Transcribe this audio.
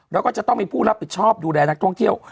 แล้วก็จะต้องมีผู้รับผิดชอบดูแลนักท่องเที่ยว